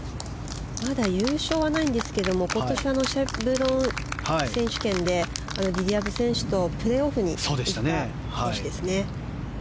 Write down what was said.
まだ優勝はないんですけど今年、シェブロン選手権でリリア・ブ選手とプレーオフにいった選手ですね。